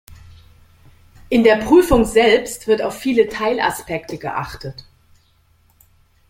In der Prüfung selbst wird auf viele Teilaspekte geachtet.